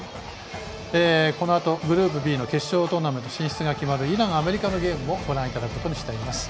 このあとグループＢの決勝トーナメント進出が決まるイラン、アメリカのゲームもご覧いただくことにしています。